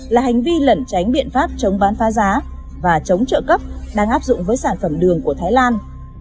là hành vi lẩn tránh biện pháp chống bán phá giá và chống trợ cấp đang áp dụng với sản phẩm đường của thái lan